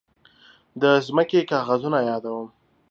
د ځمکې کاغذونه يادوم.